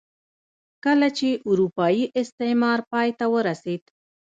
کله چې اروپايي استعمار پای ته ورسېد.